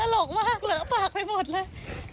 หลอกมากเหลือปากไปหมดเลย